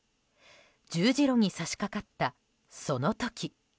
十字路に差し掛かった、その時。